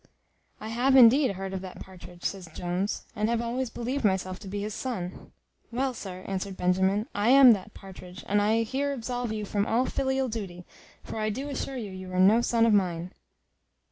"I have, indeed, heard of that Partridge," says Jones, "and have always believed myself to be his son." "Well, sir," answered Benjamin, "I am that Partridge; but I here absolve you from all filial duty, for I do assure you, you are no son of mine."